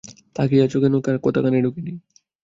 তাকিয়ে আছো কেনো, কথা কানে ঢুকেনি?